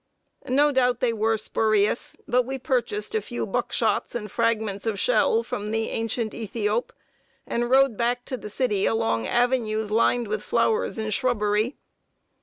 No doubt they were spurious; but we purchased a few buckshots and fragments of shell from the ancient Ethiop, and rode back to the city along avenues lined with flowers and shrubbery.